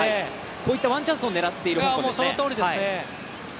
こういったワンチャンスを狙っている香港ですね。